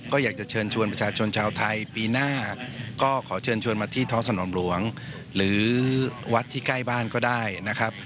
ก็อยากจะเชิญชวนประชาชนชาวไทยปีหน้าก็ขอเชิญชวนมาที่ท้องสนามหลวงหรือวัดที่ใกล้บ้านก็ได้นะครับ